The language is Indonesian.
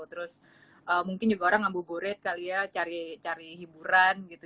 terus mungkin juga orang ngambu buret kali ya cari cari hiburan gitu